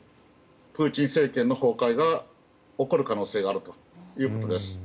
プーチン政権の崩壊が起こる可能性があるということです。